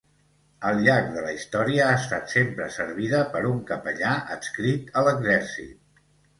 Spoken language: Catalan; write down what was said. Al llarg de la història ha estat sempre servida per un capellà adscrit a l'exèrcit.